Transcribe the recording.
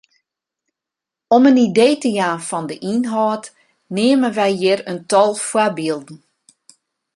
Om in idee te jaan fan de ynhâld neame wy hjir in tal foarbylden.